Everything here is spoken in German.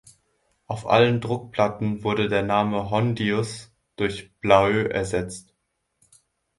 Auf allen Druckplatten wurde der Name Hondius durch Blaeu ersetzt.